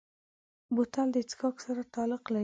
بوتل د څښاکو سره تعلق لري.